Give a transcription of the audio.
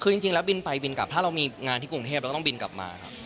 คือจริงแล้วบินไปบินกลับถ้าเรามีงานที่กรุงเทพเราก็ต้องบินกลับมาครับ